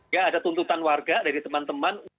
ya ada tuntutan warga dari teman teman